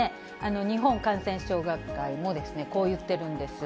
日本感染症学会もこういってるんです。